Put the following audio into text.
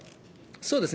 そうですね。